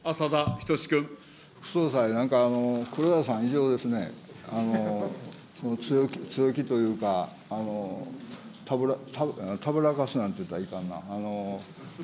副総裁、なんか黒田さん以上ですね、強気というか、たぶらかすなんて言ったらいかんな。